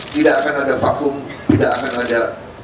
tidak akan ada vakum tidak akan ada